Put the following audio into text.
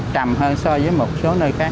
trầm hơn so với một số nơi khác